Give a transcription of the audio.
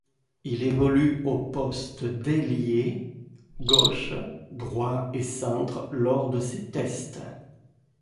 Il évolue au poste d'ailier gauche, droit et centre lors de ces tests.